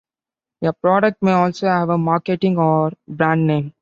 A product may also have a marketing or brand name.